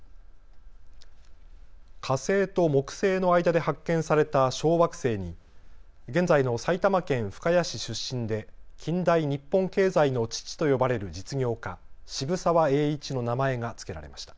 火星と木星の間で発見された小惑星に現在の埼玉県深谷市出身で近代日本経済の父と呼ばれる実業家、渋沢栄一の名前が付けられました。